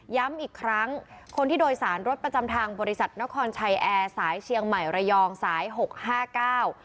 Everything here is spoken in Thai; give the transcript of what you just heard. ย้ำอีกครั้งคนที่โดยสารรถประจำทางบริษัทนครชัยแอร์สายเชียงใหม่ระยองสายหกห้าเก้า